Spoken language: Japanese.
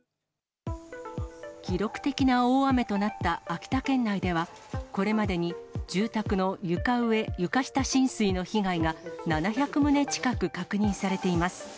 記録的な大雨となった秋田県内では、これまでに住宅の床上・床下浸水の被害が７００棟近く確認されています。